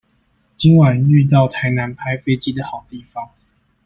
今晚遇到台南拍飛機的好地方